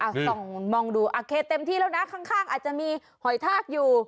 ส่องมองดูโอเคเต็มที่แล้วนะข้างอาจจะมีหอยทากอยู่